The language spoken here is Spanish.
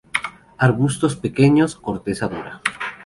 Arbustos pequeños, corteza dura.